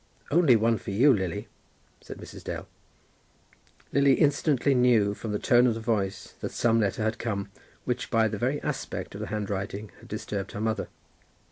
"Only one for you, Lily," said Mrs. Dale. Lily instantly knew from the tone of the voice that some letter had come, which by the very aspect of the handwriting had disturbed her mother.